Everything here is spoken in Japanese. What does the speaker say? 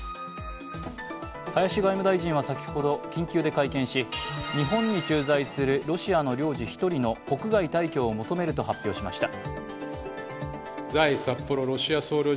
林外務大臣は先ほど、緊急で会見し日本に駐在するロシアの領事１人の国外退去を求めると発表しました。